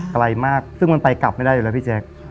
ไกลมากซึ่งมันไปกลับไม่ได้อยู่แล้วพี่แจ๊ค